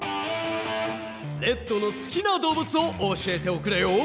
レッドのすきなどうぶつを教えておくれよ！